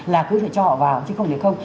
là cứ cho họ vào chứ không để không